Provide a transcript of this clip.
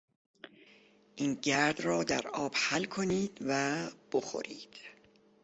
این گرد را در آب حل کنید و بخورید.